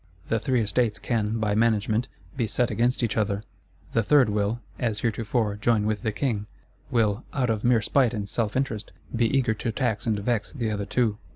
The Three Estates can, by management, be set against each other; the Third will, as heretofore, join with the King; will, out of mere spite and self interest, be eager to tax and vex the other two.